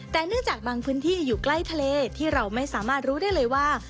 แต่เนื่องจากบางพื้นที่อยู่ใกล้ทะเลที่เราไม่สามารถรู้ได้เลยว่า